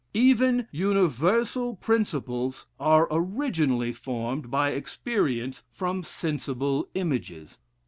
Even universal principles are originally formed by experience from sensible images.